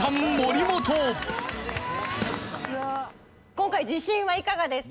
今回自信はいかがですか？